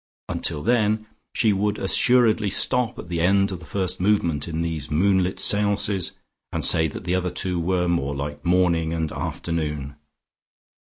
Until then, she would assuredly stop at the end of the first movement in these moonlit seances, and say that the other two were more like morning and afternoon.